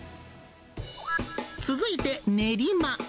続いて、練馬。